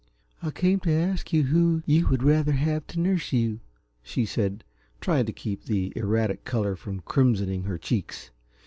"I came to ask you who you would rather have to nurse you," she said, trying to keep the erratic color from crimsoning her cheeks.